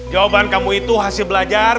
jawaban kamu itu hasil belajar